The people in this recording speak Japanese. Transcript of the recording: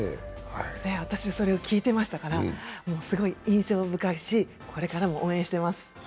私それを聞いてましたから、すごい印象深いしこれからも応援しています。